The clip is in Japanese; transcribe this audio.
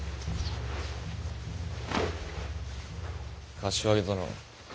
柏木殿。